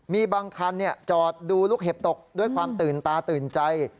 มีบางคันจอดดูลูกเห็บตกด้วยความตื่นตาตื่นใจ